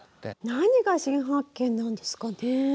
何が「新発見」なんですかね？